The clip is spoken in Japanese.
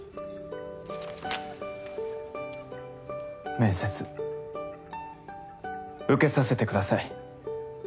面接受けさせてください。